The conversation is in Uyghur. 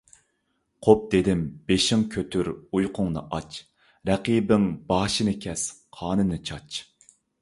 قوپ! دېدىم، بېشىڭ كۆتۈر! ئۇيقۇڭنى ئاچ! رەقىبىڭ باشىنى كەس، قانىنى چاچ!